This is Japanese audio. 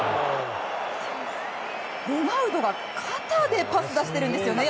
ロナウドが肩でパスを出してるんですよね